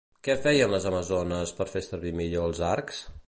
Què feien les amazones per fer servir millor els arcs?